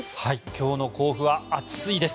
今日の甲府は暑いです。